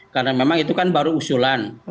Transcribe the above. karena memang itu kan baru usulan